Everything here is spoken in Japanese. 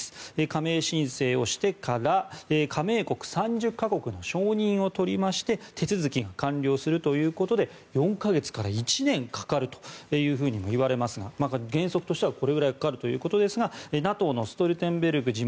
加盟申請をしてから加盟国３０か国の承認を取りまして手続きが完了するということで４か月から１年かかるともいわれますが原則としてはこれくらいかかるということですがＮＡＴＯのストルテンベルグ